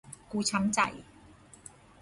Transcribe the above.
กูช้ำใจ